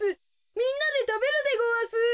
みんなでたべるでごわす。